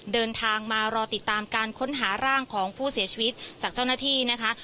เดินทางมารอติดตามการค้นหาร่างของผู้เสียชีวิตจากเจ้าหน้าที่นะคะ